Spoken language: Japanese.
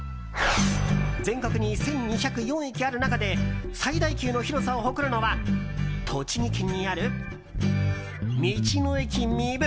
全国に１２０４駅ある中で最大級の広さを誇るのは栃木県にある、道の駅みぶ。